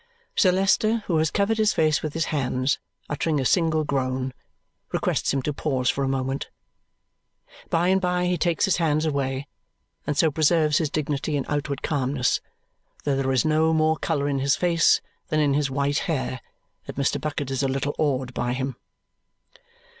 Sir Leicester, who has covered his face with his hands, uttering a single groan, requests him to pause for a moment. By and by he takes his hands away, and so preserves his dignity and outward calmness, though there is no more colour in his face than in his white hair, that Mr. Bucket is a little awed by him.